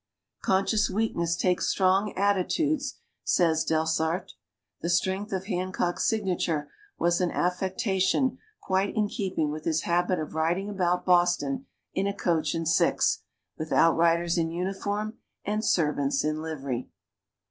"Conscious weakness takes strong attitudes," says Delsarte. The strength of Hancock's signature was an affectation quite in keeping with his habit of riding about Boston in a coach and six, with outriders in uniform, and servants in livery.